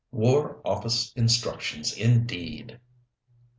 War Office instructions, indeed!"